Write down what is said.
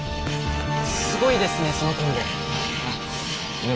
すごいですねそのコンボ。